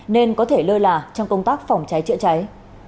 nên có thể lơ là trong công tác phòng cháy chữa cháy